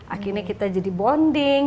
akhirnya kita jadi bonding